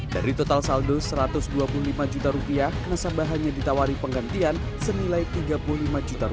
dari total saldo rp satu ratus dua puluh lima juta nasabah hanya ditawari penggantian senilai rp tiga puluh lima juta